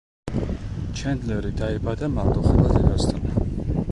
ჩენდლერი დაიბადა მარტოხელა დედასთან.